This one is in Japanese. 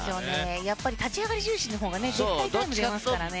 やっぱり立ち上がり重視のほうが絶対にタイムが出ますからね。